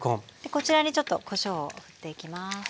こちらにちょっとこしょうをふっていきます。